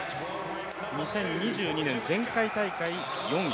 ２０２２年、前回大会４位。